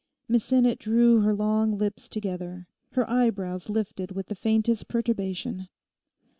Miss Sinnet drew her long lips together, her eyebrows lifted with the faintest perturbation.